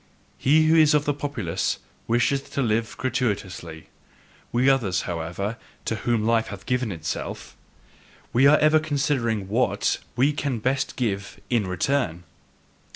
He who is of the populace wisheth to live gratuitously; we others, however, to whom life hath given itself we are ever considering WHAT we can best give IN RETURN!